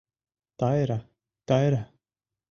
Тай-ра, Тайра.